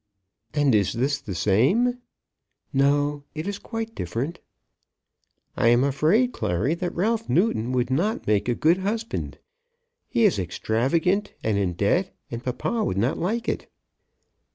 "And is this the same?" "No; it is quite different." "I am afraid, Clary, that Ralph Newton would not make a good husband. He is extravagant and in debt, and papa would not like it."